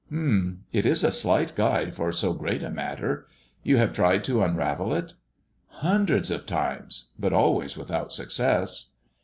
" H'm ! It is a slight guide for so great a matter. You have tried to unravel it 1 "" Hundreds of times ; but always without success."